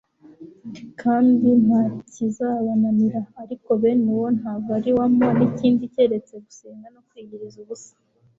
kandi nta kizabananira. Ariko bene uwo ntavariwamo n'ikindi keretse gusenga no kwiyiriza ubusa. »